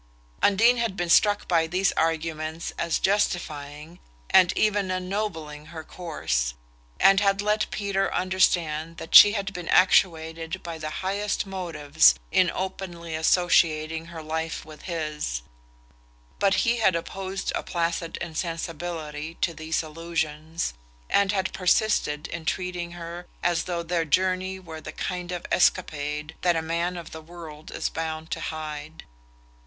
Undine had been struck by these arguments as justifying and even ennobling her course, and had let Peter understand that she had been actuated by the highest motives in openly associating her life with his; but he had opposed a placid insensibility to these allusions, and had persisted in treating her as though their journey were the kind of escapade that a man of the world is bound to hide.